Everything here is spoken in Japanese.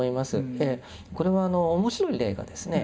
これは面白い例がですね